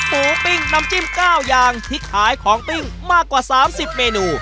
ปูปิ้งน้ำจิ้มก้าวยางที่ขายของปิ้งมากกว่าสามสิบเมนู